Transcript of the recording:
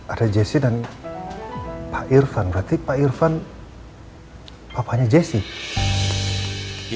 ada jessi dan pak irfan berarti pak irfan papanya jessi